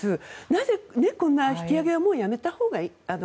なぜこんな引き上げはやめたほうが。